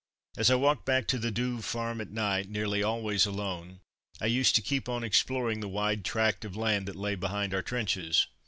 As I walked back to the Douve farm at night, nearly always alone, I used to keep on exploring the wide tract of land that lay behind our trenches.